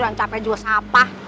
yang capek juga sapa